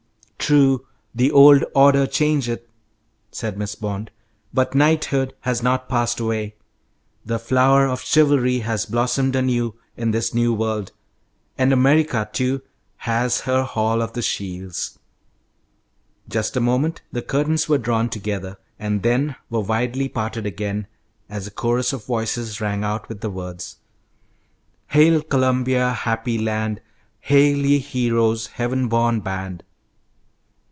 "True, 'the old order changeth,'" said Miss Bond, "but knighthood has not passed away. The flower of chivalry has blossomed anew in this new world, and America, too, has her Hall of the Shields." Just a moment the curtains were drawn together, and then were widely parted again, as a chorus of voices rang out with the words: "Hail, Columbia, happy land; Hail, ye heroes, heaven born band!"